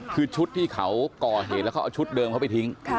คือชุดที่เขาก่อเหตุแล้วเขาเอาชุดเดิมเขาไปทิ้ง